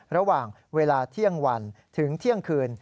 ระหว่างเวลาเที่ยงวันถึงเที่ยงคืน